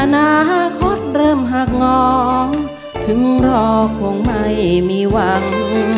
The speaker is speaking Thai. อนาคตเริ่มหักงอถึงรอคงไม่มีหวัง